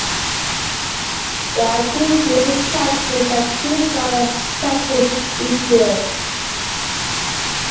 There are two Music captains and two Drama captains each year.